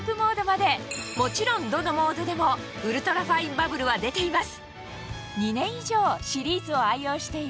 もちろんどのモードでもウルトラファインバブルは出ています